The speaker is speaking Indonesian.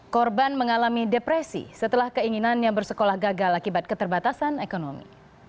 korban mengalami depresi setelah keinginannya bersekolah gagal akibat keterbatasan ekonomi